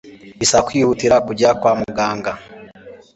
bisaba kwihutira kujya kwa muganga